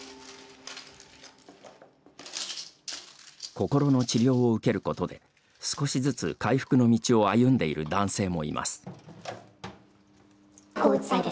心の治療を受けることで少しずつ回復の道を歩んでいる男性もいます。